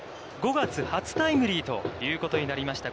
５月初タイムリーということになりました